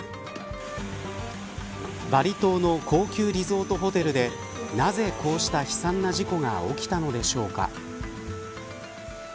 バリ島の高級リゾートホテルでなぜ、こうした悲惨な事故が起きたのでしょうか。